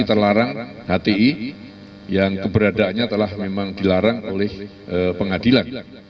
terlarang hti yang keberadaannya telah memang dilarang oleh pengadilan